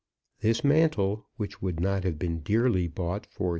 This mantle, which would not have been dearly bought for 3_l.